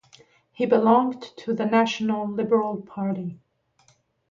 He belonged to the National Liberal Party.